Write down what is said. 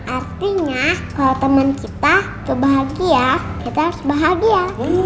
artinya kalau temen kita tuh bahagia kita harus bahagia